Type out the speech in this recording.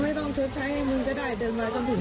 มันก็นอนหยายมีพื้นฮาพื้นโทรหลัง